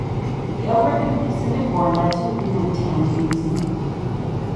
The outbreak of the Pacific War led to it being retained in New Zealand.